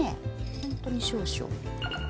ほんとに少々。